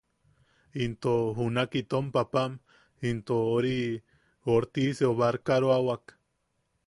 Into junak itom paapam into... oriu... Ortiseu barkaroawak.